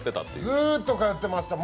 ずっと通ってました